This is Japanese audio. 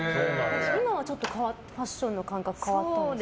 今はちょっとファッションの感覚、変わったんですか？